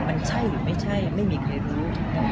มันใช่หรือไม่ใช่ไม่มีใครรู้